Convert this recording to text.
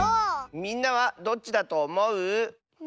みんなはどっちだとおもう？